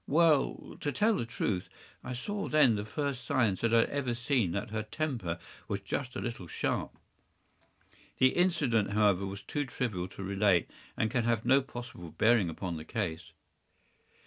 ” “Well, to tell the truth, I saw then the first signs that I had ever seen that her temper was just a little sharp. The incident, however, was too trivial to relate, and can have no possible bearing upon the case.